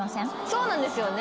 そうなんですよね。